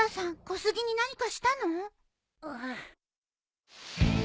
小杉に何かしたの？